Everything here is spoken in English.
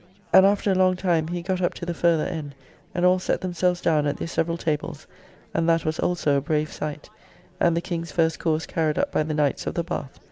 And after a long time, he got up to the farther end, and all set themselves down at their several tables; and that was also a brave sight: and the King's first course carried up by the Knights of the Bath.